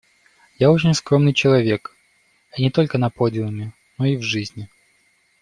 Я очень скромный человек, и не только на подиуме, но и в жизни.